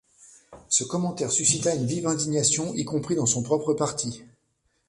Ce commentaire suscita une vive indignation y compris dans son propre parti.